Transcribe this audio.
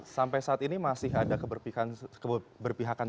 sampai saat ini masih ada keberpihakan